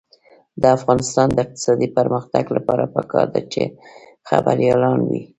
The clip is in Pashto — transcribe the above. د افغانستان د اقتصادي پرمختګ لپاره پکار ده چې خبریالان وي.